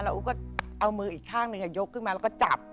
อู๋ก็เอามืออีกข้างหนึ่งยกขึ้นมาแล้วก็จับ